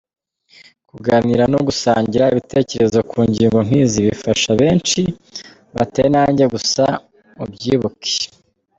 Kuganira no gusangira ibitekerezo ku ngingo nk’izi bifasha benshi batari nanjye gusa mubyibuke.